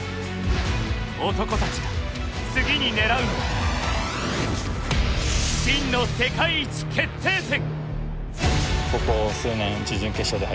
男たちが、次に狙うのは、真の世界一決定戦。